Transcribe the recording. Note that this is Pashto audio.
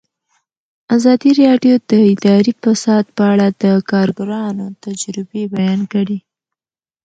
ازادي راډیو د اداري فساد په اړه د کارګرانو تجربې بیان کړي.